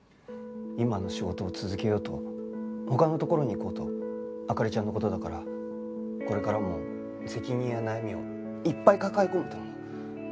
今の仕事を続けようと他のところに行こうと灯ちゃんの事だからこれからも責任や悩みをいっぱい抱え込むと思う。